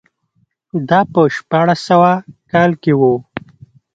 دا په شپاړس سوه کال کې و.